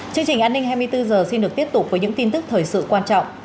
chương trình an ninh hai mươi bốn h xin được tiếp tục với những tin tức thời sự quan trọng